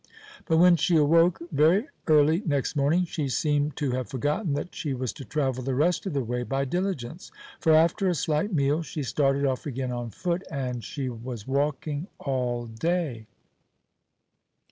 But when she awoke very early next morning she seemed to have forgotten that she was to travel the rest of the way by diligence; for, after a slight meal, she started off again on foot, and she was walking all day.